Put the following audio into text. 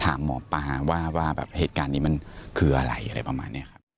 ถามหมอปลาว่าแบบเหตุการณ์นี้มันคืออะไรอะไรประมาณนี้ครับ